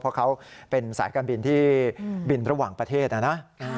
เพราะเขาเป็นสายการบินที่บินระหว่างประเทศนะนะ